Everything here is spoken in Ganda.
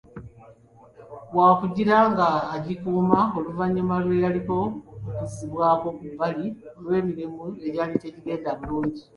Wakugira ng'agikuuma oluvannyuma lw'eyaliko okuzzibwako ku bbali olw'emirimu egyali gitagenda bulungi.